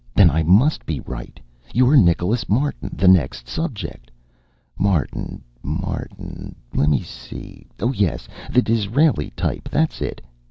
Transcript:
Then I must be right. You're Nicholas Martin, the next subject. Martin, Martin? Let me see oh yes, the Disraeli type, that's it."